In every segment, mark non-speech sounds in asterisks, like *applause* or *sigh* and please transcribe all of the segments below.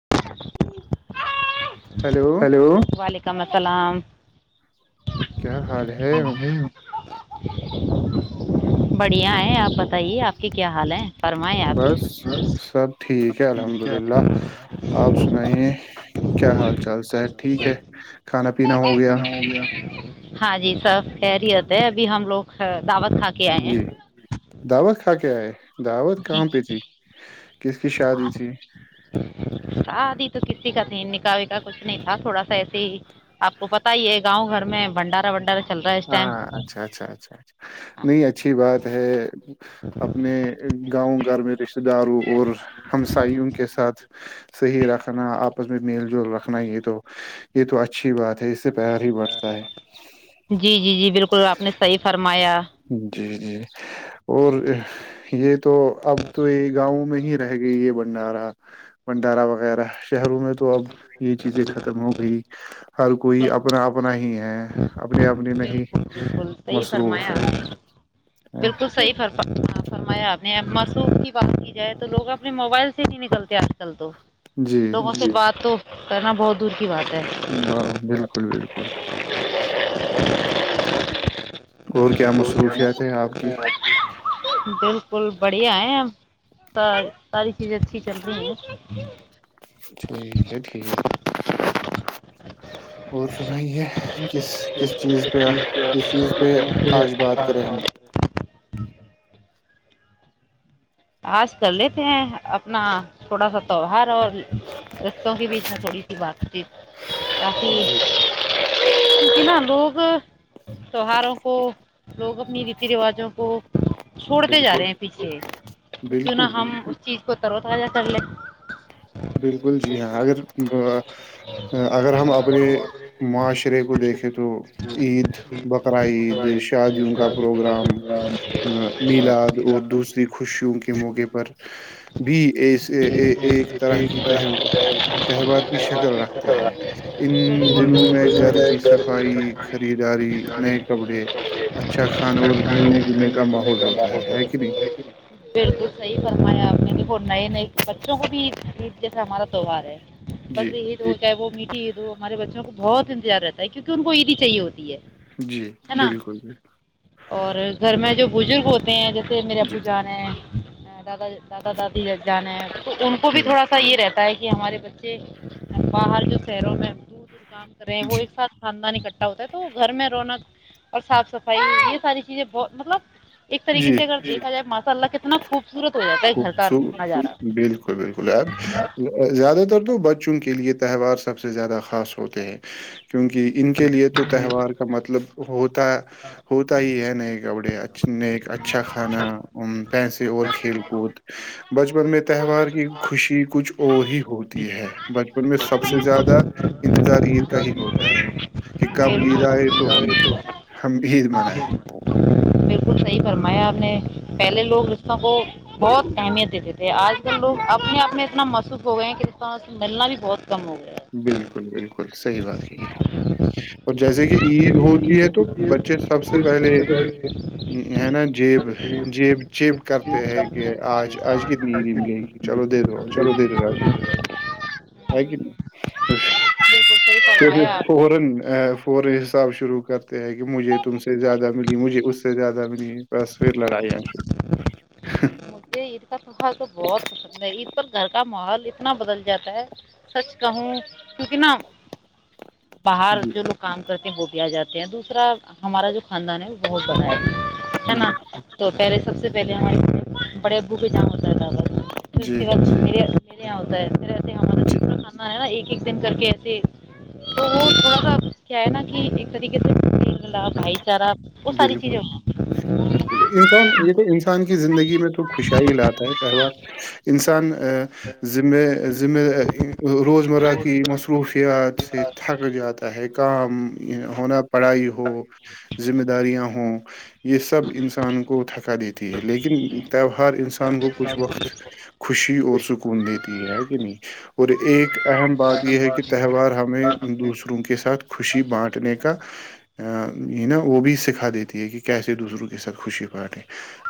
ش *inaudible* ہیلو وم کام کلام کیا حال ہے بڑھیا ہے آپ بتیے آپ کے کیا حال ہیں فرمائےیں آپ بس سب ٹھیک ہے الحمد للہ کی سا ہے ٹھیک ہے کھانا پینا ہو گیا ہاں جی سب کہرییت ہے ابھی ہم لوگ دعوت کھا کے آئے ہیں جی دعوت کھ کے اچ دعوت کہاں پہ تھی کس کی شادی تھی شادی تو کسی کا تھی نکاحی کا کچھ نہیں تھا تھوڑا سا ایسے ہی آ کو پت ہی ہے گاؤں گھر میں بنڈارا ونڈارا چل رہا ہے اس ٹائم ہاں اچھا اچھا اچھا اچھ نہیں اچھی بات ہے اپنے گاؤں گھر میں رشتتے داروں اور ہمساائیوں کے ساتھ صحیح رکھنا آپس میں میل رکھنا ہے یہ تو یہ تو اچھی بات ہے اس سے پیار ہی بڑھتا ہے جی جی جی بالکل آپ نےحیح فرم میا *unintelligible* ہ *unintelligible* جی جی اور یہ تو اب تو یہ گاؤں میں ہی رہ گئی یہ بنڈارا بنڈارا وغیرہ شہروں میں تو اب یہ چیزیں ختم ہو گئی ہر کوئی اپنا بالکل اپنا ہی ہے اپنی اپنی نہیں بل ص ہی فرمایا ہے؟ بالکل صی فرق فرمایا آپ ن م سو کی ب ہے تو لوگ اپنے موبائل سے ہی نہیں نکلتے آج کل تو جی لوگوں سے بات تو کرنا بہت دور کی بات ہے اچ *unintelligible* جچ *unintelligible* اور کیا کیا مصروفیات ہے آپ کی ج *unintelligible* بالکل بڑھیا ہے ساری چیزیں اچھی چل رہی ہے ٹھیک ہے ٹھیک ہے اور سنائیے کس کس چیز پہ کس چیز پہ آج بات کریں ہم آج کر لیتے ہیں اپنا تھوڑا سا تیوہار اور رشوں کے بیچ میں تھوڑی سی بات چیت جی رفییک ن لوگ تیوہاروں کو لوگ اپنی ریتی رواجوں کو چھوڑتے جا بالکل رہے ہیں پیچھے تو کیوں بالکل نہا ہم بالکل اس چیز کو کروتا کا چل لے بالکل جی ہاں اگر اگر ہم اپنے معاشرے کو دیکھیں تو عید بقر عید شادیوں کا پروگرام میلاد اور دوسری خوشیوں کے موقع پر بھی اسکی شکل رکھتے ہیں ان دنوں میں گھر کی صفائی خریداری نئے کپڑے اچھا کھانا اور ملنے جلنے کا ماحول ہوتا ہے ہے کہ نہیں بالکل صحیح صحیح فرمایا اپنی بالکل نئے نئے بچوں کو بھی عید جیسا ہمارا تہوار ہے جی بکری عید ہو چاہے وہ میٹھی عید ہو ہمارے بچوں کو بہت انتظار رہتا ہے کیونکہ ان کو عیدی چاہیے ہوتی ہے جی ہے نا بالکل جی اور گھر میں جو بزرگ ہوتے ہیں جو جی میرے ابو جان ہیں ہے دادا دادا دادی ادھر جانا ہے تو ان کو بھی تھوڑا سا یہ رہتا ہے کہ کہ ہمارے بچے باہر جو شہروں میں کام کر رہے ہیں وہ جی ایک ساتھ خاندان اکٹھا ہوتا ہے تو گھر میں رونا اور صاف صفائی یہ ساری چیزیں بہت مطلب ایک طریقے جی سے اگر دیکھا جائے ماسء اللہ کتنا میں خوب سورت ہو جاتا ہے گھر کا خوبصور نظارہ بالکل بالکل ایب زیادہ تر تو بچ چوںک کے لیئے تہوار سب سے زیادہ خاص ہوتے ہیں کیونکہ ان کے لیے تو تہوار کا مطلب ہوتا ہوتا ہی ہے نہیں کپڑے اچھے نیک اچھا کھانا پیسے اور کھیل کو بچپن میں تہوار کی خوشی کچھ اور ہی ہو ہوتی ہے بچپن میں سب سے زیادہ انتظار عید کا ہی ہوتا ہے کہ کب عید بالکل آئے تو ہم ہم عید منائے کمایا آپ نے پہلے لوگ رشتوں کو بہت اہمیت دی تھے آج کل لوگ اپنے اپنے اتنا محسوب ہو گیا ہیں کہسیت ملنا بھی بہت کم ہو گیا بکل صحیح بات ہے اور جیسے کہ عید ہوتی ہے تو بچے سب سے پہلے ہے نا جیب جیب جیب کرتے ہے کہ آج آج کتنی نہیں ملے گی چلو دے رہو چلو دے رہو رجی آن بالکل صحیح فرمایا آپ نے شروع کرتے ہیں کہ مجھے تم سے زیادہ ملی مجھے اس سے زیادہ ملی مجے تف تو بہت پسند ہے ا پر گھر کا ماحول اتنا بدل جاتا ہے سچ کہوں کیونکہ نا باہر جی جو رکم کرتے ہیں وہ بھی آ جاتے ہیں دوسرا ہمارا جو خاندان ہے بہت بڑ ہے ہے نا تو پہلے سب سے پہلے ہمار بڑے ابو کے جام جی ہوتا ہے ہم جی کانا ہے ن ایک دن کر کے ایسے ب جی بپ کیا ہے نا کہ ایک طریقے سے لھ ہے بالکل بالکل انسان یہ انسان کی زندگی میں تو خوشیای لاتا ہے تہوار انسان ز ذمہ روزمرہ کی مصروفیات سے تھک جاتا ہے کام ہونا پڑھائی ہو ذمہ داریاں ہوں یہ سب انسان کو تھکا دیتی ہے لیکن تہوار انسان کو کچھ وقت خوشی اور سکون دیتی ہے ہے کہ نہیں اور ایک اہم بات یہ ہے کہ تہوار ہمیں دوسروں کے ساتھ خوشی بانٹنے کا *inaudible* یہ نا وہ بھی سکھا دیتی ہے کہ کیسے دوسروں کے ساتھ خوشی پاٹیں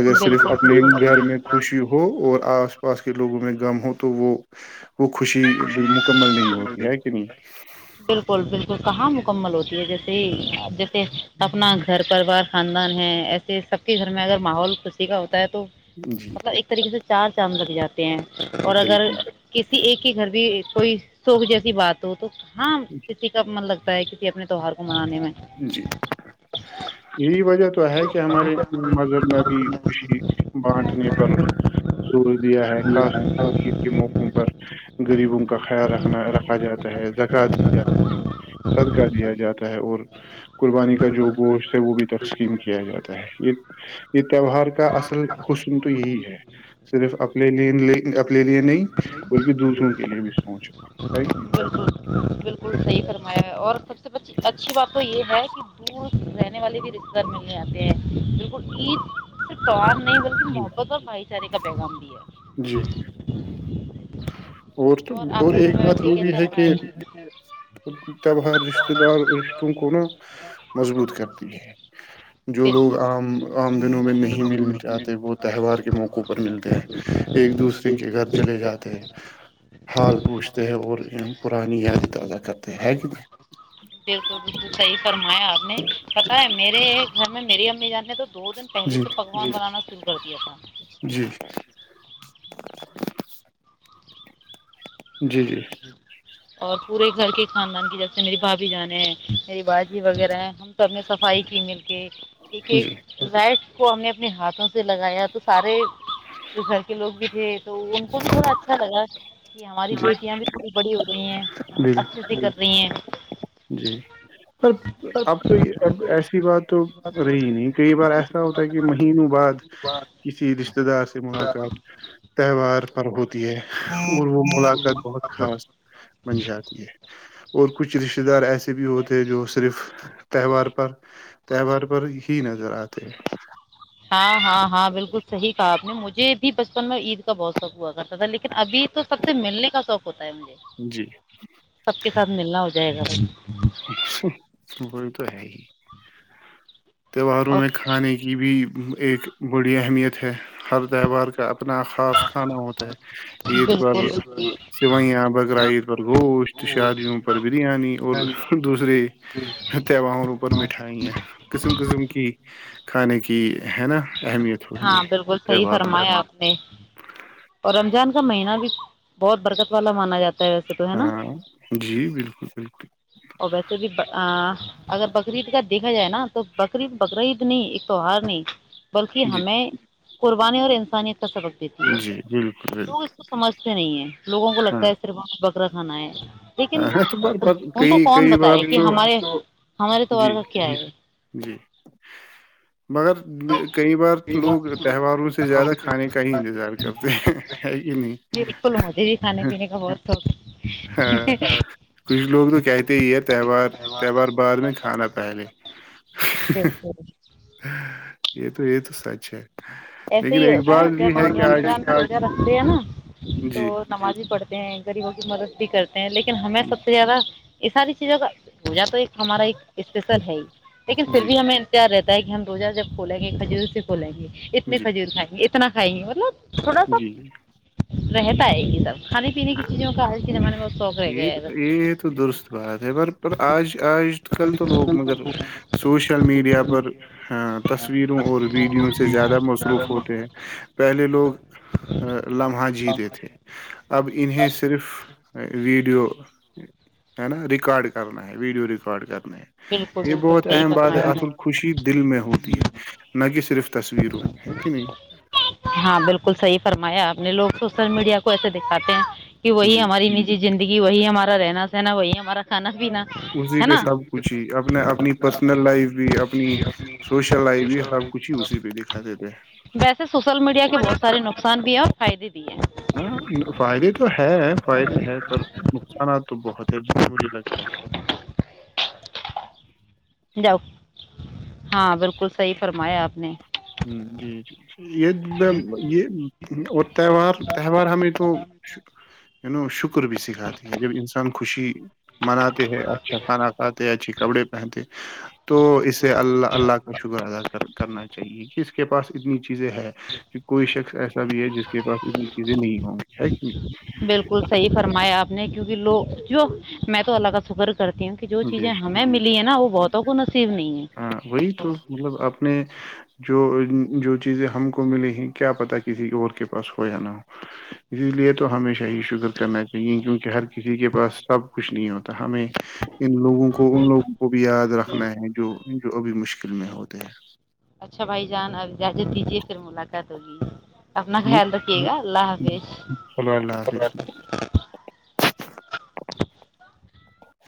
اگر صرف بالکل اپنے گھر میں بالکل خوشی ہو اور آس پاس کے لوگوں میں غم ہو تو وہ وہ خوشی مکمل نہیں ہوتی ہے کہ نہیں بالکل بالکل کہاں مکمل ہو جی ج گے سی اج پ اپنا گھر پریوار خاندان ہے ایسے سب کے گھر میں اگر ماحول خوشی کا ہوتا تو جی مطلب ایک طریقے سے چار چامد لگ گیاات ہیں اور اگر بالکل کسی ایک بھی کوئی سوک جیسی بات ہو تو ہاں کتی کپ م لگ کسی اپنے تہوار کو جی یہی وجہ تو ہے کہ ہمارے مذہب نے ابھی خوشی بانٹنے پر زور دیا ہے خاص طور پر عید کے موقعوں پر غریبوں کا خیال رکھنا رکھا جاتا ہے زکہ دی جاتی ہے صدکہ دیا جاتا ہے ہاں قربانی کا جو گوشت ہے وہ بھی تک کیا جاتا ہے یہ یہ تیوہار کا اصل حسن تو یہی ہے صرف اپنے لیے اپنے لیے نہیں بلکہ دوسروں کے لیے بھی سوچا بالکل بالکل صحیح فرمایا اور سب سے اچھی بات تو یہ ہے کہ دور رہنے والے بھی رشتے دار ملنے آتے ہیں بالکل عید سے توار میں نہیں بلکہ جی محبت اور بھائی چارے کا پیغام بھی جی ہے تو اور آپ کی ایک گھر بات و یہ کیسا رہا ہے بار رشتتے دار رشتوں کو نا مضبوط کرتی ہے جو لوگ بالکل عام عام دنوں میں نہیں مل جاتے وہ تہوار کے موقع پر ملتے ہیں ایک دوسرے کے گھر چلے جاتے ہیں حال پوچھتے ہیں اور پرانی یادیں تازہ کرتے ہے کہ نہیں بالکل بالکل صحیح فرمایا آپ نے پتا ہے میرے گھر میں میری امی جانے تو دو دن پہلے جی سے پکوان بنانا شروع کر دیا تھا جی جی جی اور پورے گھر کے خاندان کی جیسے میری بھاابھی جانے ہیں میری باجی وغیرہ ہیں ہم سب نے صفائی کی مل کے یک جی رائ اس کو ہم نے اپنے ہاتھوں سے لگایا تو سارے جو گھر کے لوگ بھی تھے تو ان کو بھی تھوڑا اچھا لگا کہ ہماری بیٹی بھی تھوڑی بڑی ہو رہی ہیں بالکل اچھیتی کر رہی ہیں ایک جی س اب تو اب ایسی بات تو رہی نہیں کئی بار ایسا ہوتا ہے کہ مہینوں بعد کسی رشتتے دار سے ملاقات تہوار پر ہوتی ہے اور وہ ملاقات بہت خاص بن جاتی ہے اور کچھ رشتہ دارس بھی ہوتے جو صرف تہوار پر تہوار پر ہی نظر آتے ہیں ہاں ہاں ہاں بالکل صحیح کہا آپ نے مجھے بھی بچپن میں عید کا بہت شوق ہوا کرتا تھا لیکن ابھی تو سب سے ملنے کا شوق ہوتا ہے مجھے ہیں جی سب کے ساتھ ملنا ہوتا جائے گ وہی تو ہے ہی تہواروں اور میں کھانے کی بھی ایک بڑی اہمیت ہے ہر تہوار کا اپنا خاص کھانا ہوتا ہے عید پر بالکل بالکل سوئیاں بکرا عید پر گوشت شادیوں پر بریانی اور دوسریے تہواروں اوپر مٹھائییں کسم قسم کی کھانے کی ہے نا اہمیت ہوتی ہاں ہے بالکل صحی تہواروں فرمایا آپ نے اور رمضان کا مہینہ بھی بہت برکت والا مانا جاتا ہے ویسے تو ہے پہ نا ہاں جی بالکل بالکل اور ویسے بھی اگر بکریید کا دیکھا جائے نا تو بقرید بقرعید نہیں ایک تہوار نہیں کہ جی ہمیں قربانی اور انسانیت سبق دیتی ہے جی بالکل لوگ بالکل اس کو سمجھتے نہیں ہے لوگوں کو لگتا ہاں ہے صرف ہم وقت ک را کانے ہے لیکن ہاں تو پر ان کو کئی کون کئی بار بتائے کہ تو ہمارے ہمارے تہوار جی کا کیا ہے جی مگر کئی بار لوگ تہواروں سے زیادہ کھانے کا ہی انتظار کرتے ہیں ہے کہ نہیں سب ہاں کچھ لوگ تو کہتے ہی ہے تہوار تہوار بعد میں کھانا پہلے ہے بالکل یہ تو یہ تو سچ ہے ایسے لیکن ہی ایک ہوتا ہے بات بھی جب ہم کہ آج رمضان دہ رکھتے ہیں نا تو جی نماز ہی پڑھتے گریبوں کی مد بھی کرتے لیکن ہمیں سب سے زیادہ یہ ساری چیزوں کا پوجا تو ایک ہمارا ایک اسپیشل ہے ہی لیکن پھر جی بھی ہمیں انتار رہتا کہ ہم روزہ جب کھولیں گے کھجور سے کھولیں گے نہیںھجر خھ گ کتنا کائیں گے مطلب تھوڑا سا جی جی رہتا ہے یہ سب کھانے پینے کی چیزوں کا آج کے زمانے میں بہت شوق رہ یہ گیا ہے بس یہ تو درست بات ہے پر پر آج آج کل تو لوگ مگر سوشل میڈیا پر تصویروں اور ویڈیو سے زیادہ مصروف ہوتے ہیں پہلے لوگ لمحہ جیتے تھے *unintelligible* انہیں صرف *unintelligible* ویڈیو ہے نا ریکارڈ کرنا ہے ویڈیو ریکارڈ کرنا بالکل یہ بالکل بہت صحیح اہم بات ہے فرمایا اصل آپ خوشی نے دل میں ہوتی ہے نہ کہ صرف تصویروں میں ہے کہ نہیں ہاں بالکل صحیح فرمایا آ نے لوگ سوشل میڈیا کو ایسے دکھاتے ہیں *unintelligible* کہ وہی جی ہماری نجی *unintelligible* زندگی وہی ہمارا رہنا سہنا وہی ہمارا کھا *unintelligible* بھی ن ہے نا *unintelligible* چ اپنا اپنی پرسنل لائف بھی اپنی سوشل لائف بھی سب کچھ ہی اسی پہ دکھاتے تھے ویسے سوشل میڈیا کے بہت سارے نقصان بھی ہیں *unintelligible* فائدے دیئے ہیں *unintelligible* ہاں فائدے تو ہے فائدے ہے پر نقصانات تو بہت ہیضری لگتا ہے *unintelligible* جاؤ ہاں بالکل صحیح فرمایا آپ نے *unintelligible* ہ جی جی *unintelligible* ید یہ اور تہوار تہوار ہمیں تو *unintelligible* و شک *unintelligible* بھی سکھاتی ہے جب انسان خوشی *unintelligible* جی *unintelligible* مناتے ہیں اچھا کھانا کھاتے اچھی کپڑے پہنتے *unintelligible* تو اسے اللہ اللہ کا شکر ادا کر کرنا *unintelligible* ج اس کے پاس اتنی *unintelligible* چیزیں ہے کہ کوئی شخص ایسا بھی ہے جس کے پاس اتنی چیزیں نہیں ہوں گی ہے کہ *unintelligible* کیہ لو جو میں تو اللہ کا شکر *unintelligible* کرتی ہوں کہ جو نہیں؟ بے چیزیں ہمیں ملی ہے نا وہ بہت *unintelligible* توخ *unintelligible* ہاں وہی تو مطلب اپنے جو جو چیزیں ہم کو ملیں ہیں کیا پتا کسی اور کے پاس ہو یا نہ ہو اسی لیے تو ہمیشہ ہی شگر کا م کیکہ *unintelligible* کہ ہر کسی کے پاس سب کچھ نہیں ہوتا *unintelligible* ہمیں ان لوگوں کو ان لوگوں کو بھی یاد رکھنا ہے جو جو ابھی مشکل میں ہوتے ہیں *unintelligible* اچھا بھائی جان اب اجازت دیجیے پھر ملاقات ہوگی اپنا خیال رکھیے گا چلو اللہ *unintelligible* لہ حافظ حفظ *unintelligible*